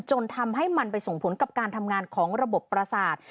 จนทำให้มันไปส่งผลกับการทำงานของระบบประสาท